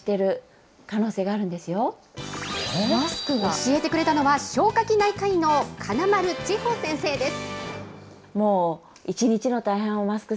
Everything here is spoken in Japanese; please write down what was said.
教えてくれたのは、消化器内科医の金丸千穂先生です。